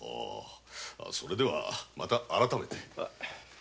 それではまた改めて。